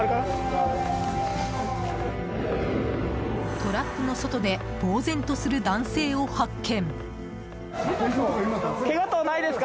トラックの外でぼうぜんとする男性を発見。